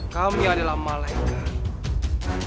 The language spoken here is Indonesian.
kami adalah malaikat